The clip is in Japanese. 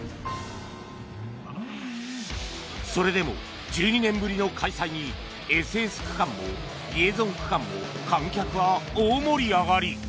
それでも１２年ぶりの開催にＳＳ区間もリエゾン区間も観客は大盛り上がり。